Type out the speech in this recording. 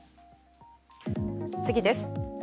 次です。